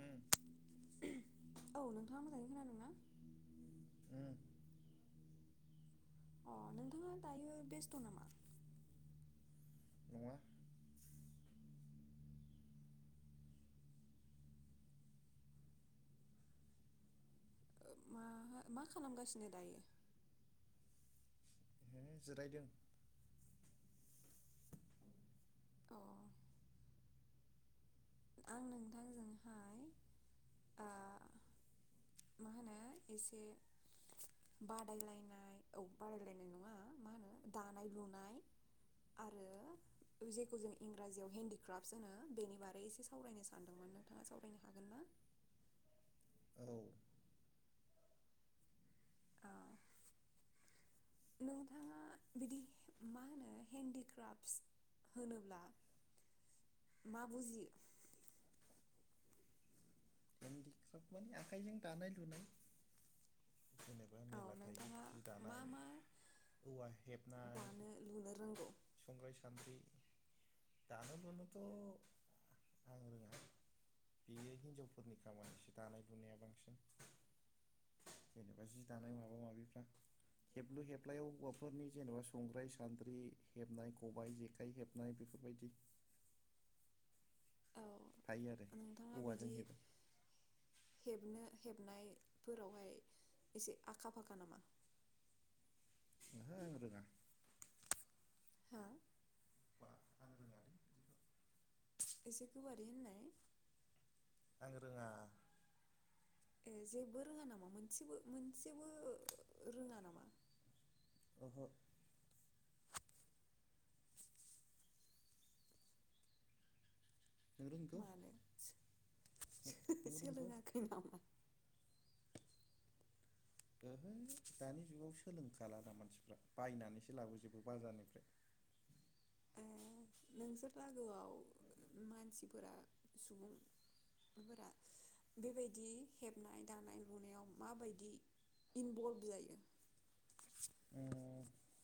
उम औ नोंथाङा मोजाङै खोनादोंना? उम अ नोंथाङा दायो बेस्थ नामा? नङा मा मा खालामगासिनो दायो? ओ जिरायदों। अ आं नोंथांजोंहाय आ मा होनो इसे बादायलायनाय औ बादायलायनाय नङा मा होनो दानाय लुनाय आरो जेखौ जों इंराजियाव हेन्दिग्रापस होनो बेनि बारै सावरायनो सानदोंमोन नोंथाङा सावरायनो हागोन ना? औ अ नोंथाङा बिदि मा होनो हेन्दिक्राफ्स होनोब्ला मा बुजियो? तारमाने आखाइजों दानाय लुनाय। जेनेबा औ मेला थायो नोंथाङा जि मा दानाय मा औवा हेबनाय दानो लुनो रोंगौ संग्राय सान्द्रि। दानो लुनोथ' आं रोङा बेयो हिनजावफोरनि जि दानाय लुनाया बांसिन जेनेबा जि दानाय माबा माबिफ्रा हेबलु हेबलायाव हौवाफोरनि जेनेबा संग्राय सान्द्रि हेबनाय खबाय जेखाइ हेबनाय बेफोरबायदि औ हायो आरो नोंथाङा औवाजों बिदि हेबो। हेबनो हेबनायफोरावहाय एसे आखा फाखा नामा? ओंहो आं रोङा। हा बा आं रोङालै बिदिखौ, एसे गोबारै होननाय आं रोङा ए जेबो रोङा नामा मोनसेबो मोनसेबो रोङा नामा? [unintelligible] नों रोंगौ मानो नों रोंगौ सो-सोलोङाखै नामा? ओहो दानि जुगाव सोलोंखालादा मानसिफ्रा बायनानैसो लाबोजोबो बाजारनिफ्राय ए नोंसोर लागोआव मानसिफोरा सुबुं फोरा बेबायदि हेबनाय दानाय लुनायाव माबायदि इनभल्भ जायो? ओ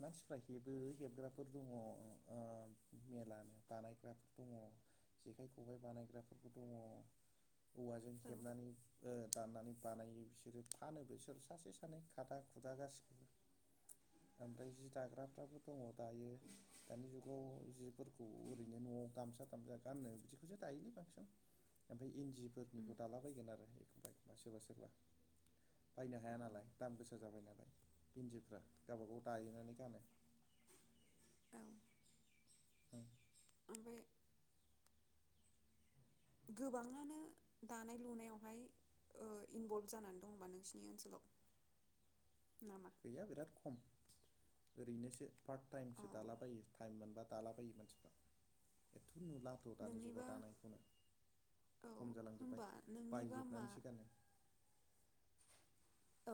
मानसिफ्रा हेबो हेबग्राफोर दङ ओ मेलानो बानायग्राफोर दङ जेखाइ खबाय बानायग्राफोरबो दङ। औवाजों औ हेबनानै ओ दाननानै बानायो बिसोरो फानो बिसोर सासे सानै खादा खुदा गासिबखौबो ओमफ्राय जि दाग्राफ्राबो दङ दायो दानि जुगाव जिफोरखौ ओरैनो न'आव गामसा थामसा गान्नो बिदिखौसो दायोलै बांसिन ओमफ्राय इन्दि उम फोरनिखौ दाला बायगोन आरो बाय बा सोरबा सोरबा बायनो हाया उम नालाय दाम गोसा जाबाय नालाय इन्दिफ्रा गावबा गाव दायोनानै गानो ओं ओमफाय गोबाङानो दानाय लुनायावहाय ओ इनभल्भ जानानै दङ होमबा नोंसिनि ओनसोलाव? नामा गैया बिराद खम। ओरैनोसो पार्ट अ टाइमसो दालाबायो टाइम मोनबा दालाबायो मानसिफ्रा एथ नुलाथ' दानि नोंनिबा जुगाव दानायखौनो औ खम जालांजोबबाय होनबा नोंनिबा मा बायजोबनानैसो गानो। औ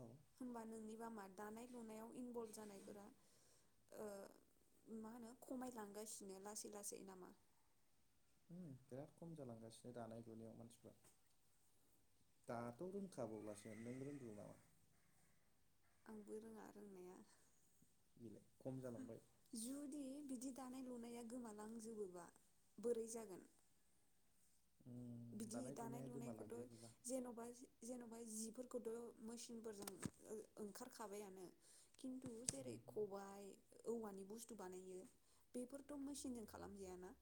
औ होमबा नोंनिबा मा दानाय लुनायाव इनभल्भ जानायफोरा ओ मा होनो खमायलांगासिनो लासै लासै नामा? उम बिराद खम जालांगासिनो दानाय लुनायाव मानसिफ्रा दाथ' रोंखाब्लासो नों रोंगौ नामा? आंबो रोङा रोंनाया बेलाय खम जालांबाय [inaudible] जुदि बिदि दानाय लुनाया गोमालांजोबोबा बोरै जागोन? उम बिदि दानाय लुनाया लुनायखौथ' गोमालांजोबोबा जेन'बा जेन'बा जिफोर खौथ' मोचिनफोरजों ओ-ओंखारखाबायानो किन्थु जेरै खबाइ औवानि बुस्थु बानायो बेफोरथ' मेसिनजों खालामजायाना?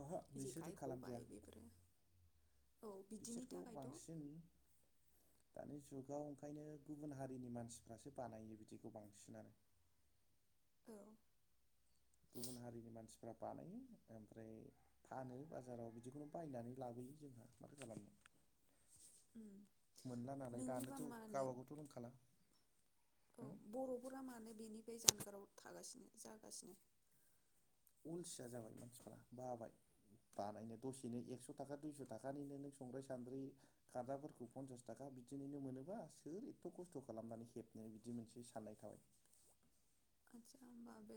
अह' बिसोरो जेखाइ खबाइ खालामजाया बेफोरो औ बिदिनि बिसोरखौ थाखायथ' औ बांसिन दानि जुग जुगाव ओंखायनो गुबुन हारिनि मानसिफ्रासो बानायो बिदिखौ बांसिनानो। औ गुबुन हारिनि मानसिफ्रा बानायो ओमफ्राय फानो बाजाराव बिदिखौनो बायनानै लाबोयो जोंहा माथो खालामनो। ओम मोनला नालाय नोंनिबा दानोथ' मानो। गावबागावथ' रोंखाला औ बर'फोरा मानो बेनिफ्राय जानगाराव थागासिनो जागासिनो। अलसिया जाबाय मानसिफ्रा, बाबाय बानायनो दसेनो एकस' थाखा दुइस' थाखानिनो नों संग्राय सान्द्रै खादाफोरखौ फन्सास थाखा बिदिनिनो मोनोबा सोर एथथ' खस्थ' खालामनानै हेबनो बिदि मोनसे साननाय थाबाय। आदसा होमबा, बे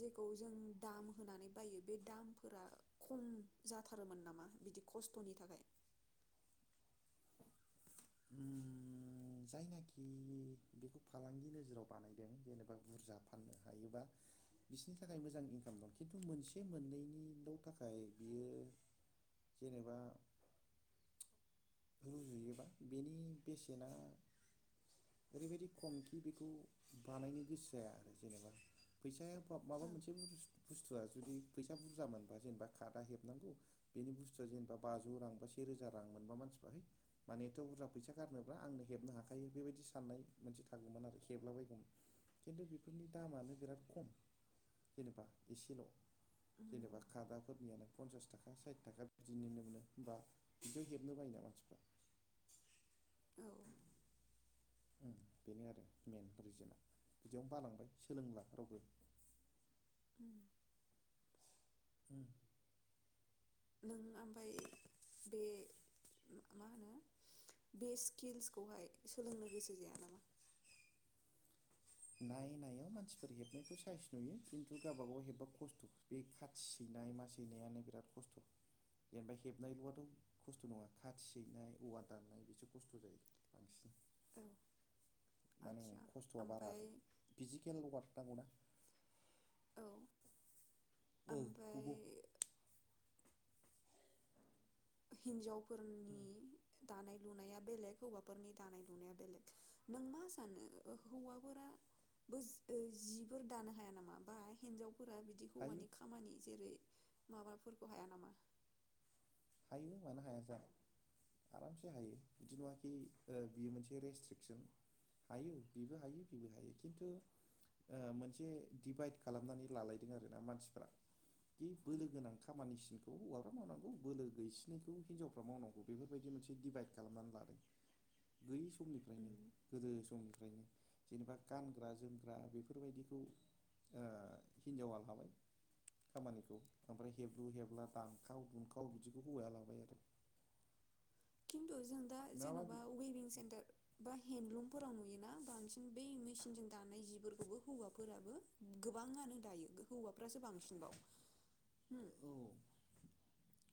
जेखौ जों दाम होनानै बायो बे दामफोरा खम जाथारोमोन नामा? बिदि खस्थ'नि थाखाय। ओम, जायनाखि बेखौ फालांगि नोजोराव बानायदों जेनेबा बुरजा फाननो हायोबा बिसिनि थाखाय मोजां इंकाम दं, खिन्थु मोनसे मोननैनिल' थाखाय बियो जेनेबा रुजुयोबा बेनि बेसेना ओरैबायदि खमखि बेखौ बानायनो गोसो जाया आरो जेनेबा फैसाया मा-माबा औ मोनसे बस्थु बुस्थुआ जुदि फैसा बुरजा मोनबा जेनेबा कादा हेबनांगौ बेनि बुस्थुआ जेनेबा बाजौ रां बा सेेरोजा रां मोनबा मानसिफ्रा है माने थ' बुरजा फैसा गारनोब्रा आंनो हेबनो हाखायो बेबायदि साननाय मोनसे थागौमोन आरो, हेबलाबायगौमोन खिन्थु बेफोरनि दामानो बिराद खम जेनेबा एसेल'। जेनेबा उम, खादाफोरनियानो फनसास थाखा साइथ थाखा बिदिनिनो मोनो होमबा बिदियाव हेबनो बायोना मानसिफ्रा। औ ओम बेनो आरो मेेन रिजोना बिदियावनो बालांबाय सोलोंला रावबो। उम। ओम। नों आम बे मा होनो? बे स्किलसखौहाय सोलोंनो गोसो जाया नामा? नाय नायाव मानसिफोर हेबनायखौ साइस नुयो, खिन्थु गावबाागाव हेबबा खस्थ' बे खाथि सैनाय मा सैनायानो बिराद खस्थ'। जेनेबा हेबनायल'आथ' खस्थ' नङा खाथि सैनाय औवा दाननाय बिसो खस्थ' जायो बांसिन। [inaudible] माने आदसा खस्थ'आ बारा ओमफ्राय आरो फिजिकेल वार्क नांगौना। औ औ नंगौ। ओमफ्राय हिनजावफोरा दानाय लुनाया बेलेग हौवाफोरनि दानाय लुनाया बेलेग, नों मा सानो हौवाफोराबो जिफोर दानो हाया नामा? बा हिनजाव फोर बिदि हायो हौवानि खामानि जेरै माबा फुलखौ हाया नामा? हायो मानो हाया जानो? आरामसे हायो बिदि नङाखि बियो मोनसे रेस्ट्रिकसन हायो बिबो हायो बिबो हायो खिन्थु मोनसे डभाइद खालामनानै लालायदों आरोना मानसिफ बे उम बोलो गोनां खामानिसो हग्रा मावनांगौ बोलो गैसिननायखौ हिनजावफ्रा मावनांगौ बेफोरबायदि मोनसे दिडभाइद खालामनानै लादों। उम समनिफ्रायनो गोदो समनिफ्रायनो। जेनेबा गानग्रा जोमग्रा बेफोरबायदिखौ, हिनजावा लाबाय खामानिखौ ओमफ्राय हेब्लु हेबला दानखाव दुनखाव बिदि बेखौ हौवाया लाबाय आरो। खिन्थु जों दा नङाबा जेन'बा वं सेर ब हेन्दन्दलुमफोराव नुयोना, बांसिन बै मेसििनजों दानाय जिफोरखौबो हौवाफोराबो गोबाङानो दायो हौवाफ्रासो बांसिन बाव। हम। औ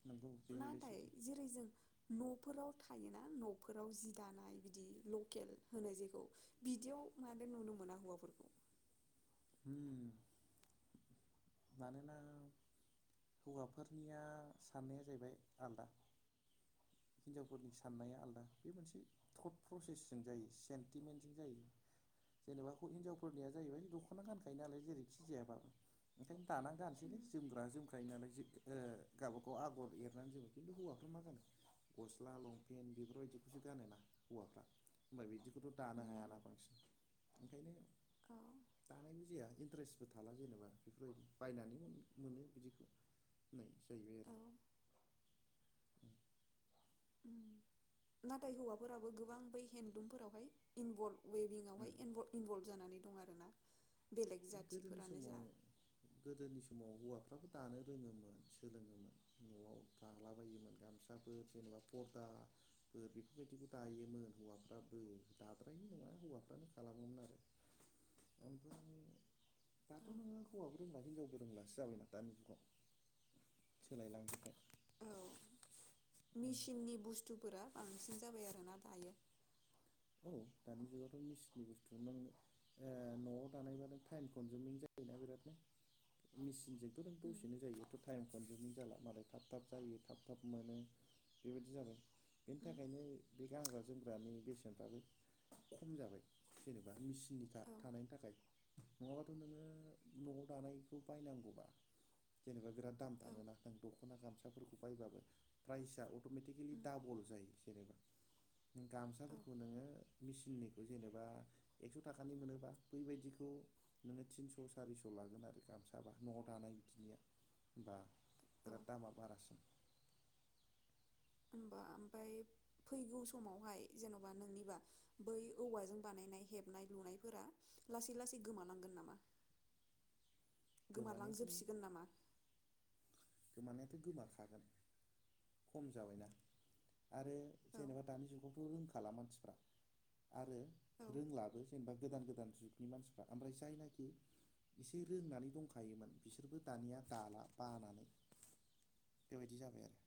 नंगौ बे हयले नाथाय सैथो जेरै जों न' न'फोराव थायोना न'फोराव जि दानाय बिदि लकेल होनाय जेखौ बिदियाव माथो नुनो मोना हौवाफोरखौ। हम। मानोना हौवाफोरनिया साननाया जाहैबाय आलदा, हिनजावफोरनि साननाया आलदा। बे मोनसे थर्ट प्रसेसजों जायो सेन्टिमेन्टजों जायो जेनेबा हिनजावफोरनिया जाहैबाय दख'ना गानखायो नालाय जेरैखि जायाबाबो। ओंखायनो दानानै गानसैलै जोमग्रा जोमग्राय नालाय, जि गावबाागाव आगर एरनानै जोमो खिन्थु हौवाफ्रा मा गानो गस्ला लंपेनन्ट बेफोरबायदिखौसो गानोना। हौवाफ्रा होमबफ्राय बिदि थ दानो हायाना बांसिन ओंखायनो औ दानायबो जाया। ड्रेसबो थाला जेनेबा बेफोरबायदि बायनानै मोनो बिदिखौ होननाय जायो अ नाथाय हौवाफोराबो गोबां बै हेन्दलुमफोरावहाय इनभल्भ उम वेबिंआवहाय इनभ-इनभल्भ जानानै दं आरोना बेलेग गोदोनि जाथिफोरानो सम जा गोदोनि समाव हौवा गोबां दानो रोङोमोन सोलोङोमोन न'आव दालाबायायोमोन गामसाफोर जेनेबा फरदाफोर बेफोरबायदिखौ दायोमोन हौवाफ्राबो दाद्रायनि नङा हौवाफ्रानो खालामोमोन आरो ओमफ्राय दाथ' औ नोङो हौवा रोंबा हिजाव बो रोंब्लासो जाबायना दानि जुगाव सोलायलांनो थाखाय औ मेसिननि बुस्थ थुफोरा बांसिन जाबाय आरो ना दायो औ दानि जुगावथ' मेसिननि बुस्थु नों ओ न'आव दानायबानो टाइम कनजमिं जायोना बिरादनो मिचिनजों उम दसेनो जायो टाइम कनजमिं जाला मालाय थाब थाब जायो थाब थाब मोनो बेबायदि जाबाय बेनि उम थाखायनो बे गानग्रा जोमग्रानि बे सेनफ्राबो खम जाबाय जेनेबा मेसिननि औ था-थानायनि थाखाय नङाबाथ' नोङो न'आव दानायखौ बायनांगौबा जेनेबा बिराद दाम औ दाङोन ना आं दख'ना गामसा फोरखौ बायबो प्राइसआ अट'मेटिकेलि उम डाबल जायो जेनेबा नों औ गामसाफोर खौ नोङो मेचिननिखौ जेनेबा एकस' थाखानि मोनोबा बैबायदिखौ नोङो थिनस' सारिस' लागोन आरो गामसाबा न'आव दानाय बिदिनिया होमबा औ बिराद दामा बारासिन होमबा ओमफ्राय फैगौ समावहाय जेन'बा नोंनिबा बै औवाजों बानायनाय हेबनाय लुनायफोरा लासै लासै गोमालांगोन नामा गोमानायाथ' गोमालांजोबसिगोन नामा गोमानायाथ' गोमाखागोन खम जाबायना आरो औ जेनेबा दानि जुगाव रोंखाला मानसिफ्रा आरो औ रोंलाबो जेनेबा गोदान गोदान जुगनि मानसिफ्रा ओमफ्राय जायनाखि एसे रोंनानै दंखायोमोन बिसोरबो दानिया दाला बानानै बेबायदि जाबाय आरो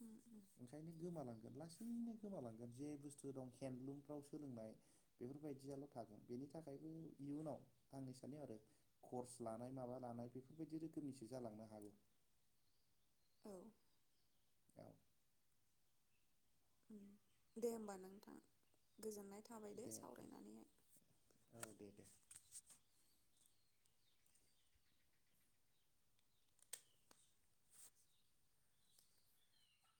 उम उम ओंखायनो गोमालांगोन लासैनो गोमालांगोन जे बुस्थु दं हेन्दलुमफ्राव सोलोंनाय बेफोरबायदियाल' थागोन बेनि थाखायबो इयुनाव आंनि सानो आरो कर्स लानाय माबा लानाय बेफोरबायदि रोखोमनिसो जालांनो हागौ औ औ उम दे होमबा नोंथां गोजोननाय थाबाय दे सावरायनानैहाय औ दे दे